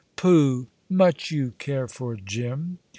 "Pooh! Much you care for Jim."